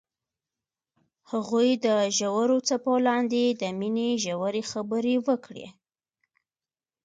هغوی د ژور څپو لاندې د مینې ژورې خبرې وکړې.